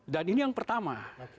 dan ini yang pertama